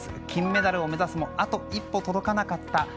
金メダルを目指すもあと一歩届かなかった。